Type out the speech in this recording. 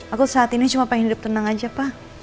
aku saat ini cuma pengen hidup tenang aja pak